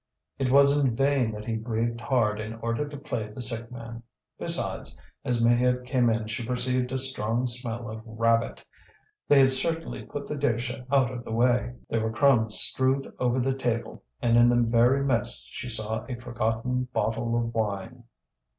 It was in vain that he breathed hard in order to play the sick man. Besides, as Maheude came in she perceived a strong smell of rabbit; they had certainly put the dish out of the way. There were crumbs strewed over the table, and in the very midst she saw a forgotten bottle of wine.